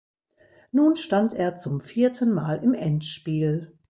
Nun stand er zum vierten Mal im Endspiel.